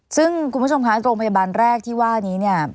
ซึ่งคุณผู้ชมคะโรงพยาบาลแรกที่ว่านี้เนี่ย